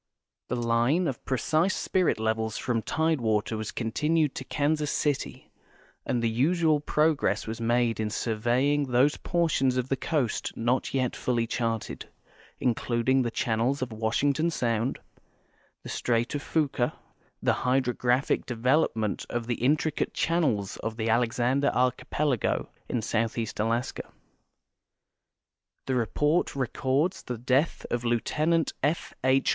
Tlie line of preci.se spirit levels from tidewater was continued to Kansas City, and the usual progress was made in surveying those portions of the coasts not yet fully charted, including the channels of Washington sound, the strait of Fuca, and the hydrographic development of the intricate channels of the .Alexander archipelago in southeast Alaska. The report records the death of Lieut. F. H.